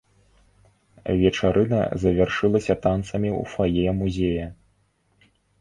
Вечарына завяршылася танцамі ў фае музея.